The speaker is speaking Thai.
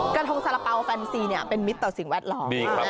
กระทงสาระเป๋าแฟนซีเนี่ยเป็นมิตรต่อสิ่งแวดล้อม